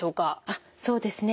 あっそうですね。